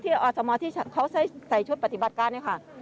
อสมที่เขาใส่ชุดปฏิบัติการเนี่ยค่ะ